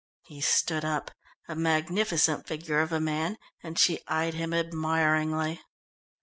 He stood up, a magnificent figure of a man, and she eyed him admiringly.